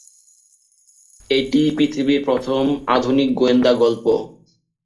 এটিই পৃথিবীর প্রথম আধুনিক গোয়েন্দা গল্প।